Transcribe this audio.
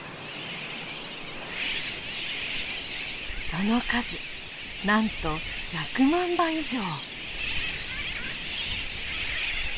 その数なんと１００万羽以上。